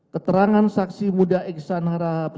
keterangan saksi muda iksan harap